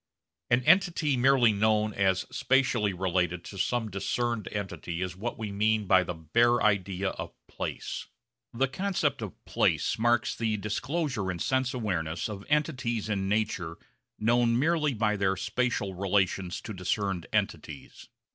An entity merely known as spatially related to some discerned entity is what we mean by the bare idea of 'place.' The concept of place marks the disclosure in sense awareness of entities in nature known merely by their spatial relations to discerned entities.